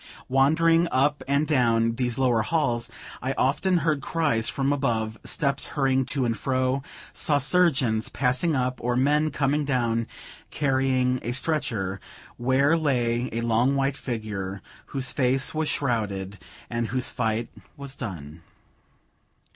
Wandering up and down these lower halls, I often heard cries from above, steps hurrying to and fro, saw surgeons passing up, or men coming down carrying a stretcher, where lay a long white figure, whose face was shrouded and whose fight was done.